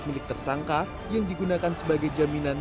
milik tersangka yang digunakan sebagai jaminan